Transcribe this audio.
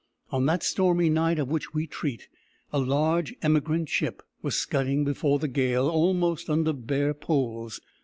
On that stormy night of which we treat, a large emigrant ship was scudding before the gale almost under bare poles.